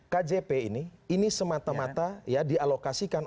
kjp ini semata mata dialokasikan